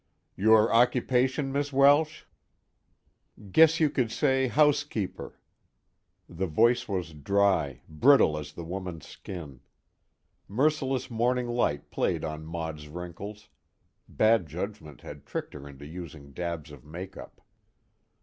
"Your occupation, Miss Welsh?" "Guess you could say housekeeper." The voice was dry, brittle as the woman's skin. Merciless morning light played on Maud's wrinkles; bad judgment had tricked her into using dabs of make up.